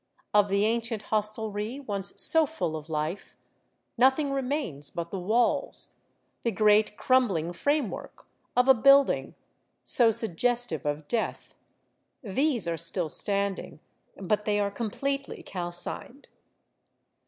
Of the ancient hostelry once so full of life, nothing remains but the walls, the great crumbling framework of a build ing, so suggestive of death : these are still standing, but they are completely calcined.